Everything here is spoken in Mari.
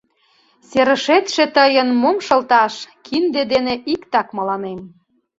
Серышетше тыйын — мом шылташ? — кинде дене иктак мыланем.